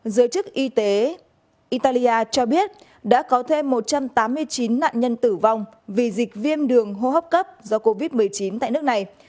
giới chức y tế italia cho biết đã có thêm một trăm tám mươi chín nạn nhân tử vong vì dịch viêm đường hô hấp cấp do covid một mươi chín tại nước này